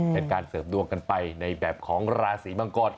เป็นการเสริมดวงกันไปในแบบของราศีมังกร